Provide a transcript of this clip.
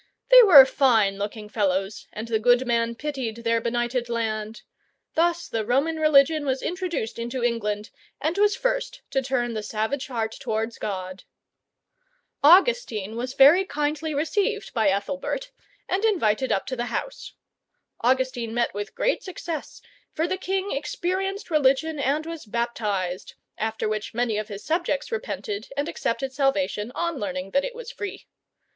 They were fine looking fellows, and the good man pitied their benighted land. Thus the Roman religion was introduced into England, and was first to turn the savage heart towards God. [Illustration: EGBERT GAINS A GREAT VICTORY OVER THE FRENCH INVADERS.] Augustine was very kindly received by Ethelbert, and invited up to the house. Augustine met with great success, for the king experienced religion and was baptized, after which many of his subjects repented and accepted salvation on learning that it was free.